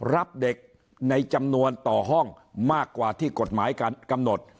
รับเด็กในจำนวนต่อห้องมากกว่าที่กฎหมายกำหนด